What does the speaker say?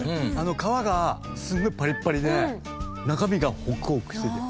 皮がすごいパリッパリで中身がホクホクしてて。